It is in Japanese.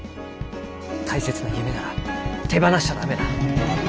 大切な夢なら手放しちゃ駄目だ。